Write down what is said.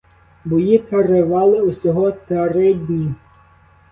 Бої тривали усього три дні.